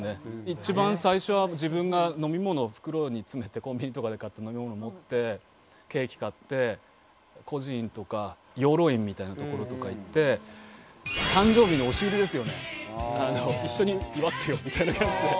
一番最初は自分が飲み物を袋に詰めてコンビニとかで買った飲み物を持ってケーキ買って孤児院とか養老院みたいな所とか行って一緒に祝ってよみたいな感じで。